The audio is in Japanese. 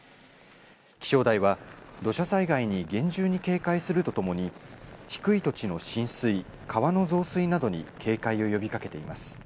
気象台は土砂災害に厳重に警戒警戒するとともに低い土地の浸水、川の増水などに警戒を呼びかけています。